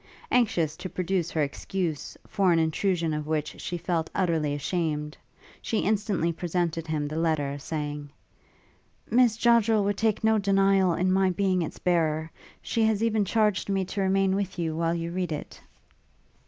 Anxious to produce her excuse, for an intrusion of which she felt utterly ashamed, she instantly presented him the letter, saying, 'Miss Joddrel would take no denial to my being its bearer. She has even charged me to remain with you while you read it.'